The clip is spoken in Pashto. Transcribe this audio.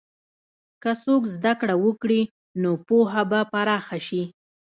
که څوک زده کړه وکړي، نو پوهه به پراخه شي.